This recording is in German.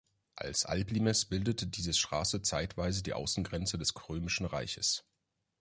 Als Alblimes bildete diese Straße zeitweise die Außengrenze des Römischen Reiches.